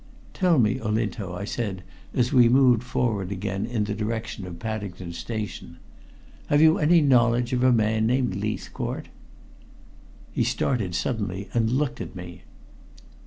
"Tell me, Olinto," I said as we moved forward again in the direction of Paddington Station, "have you any knowledge of a man named Leithcourt?" He started suddenly and looked at me.